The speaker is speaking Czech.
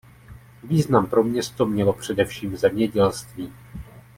Význam pro město mělo především zemědělství.